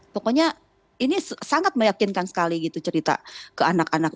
pokoknya ini sangat meyakinkan sekali gitu cerita ke anak anak